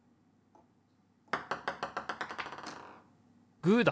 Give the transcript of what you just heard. グーだ！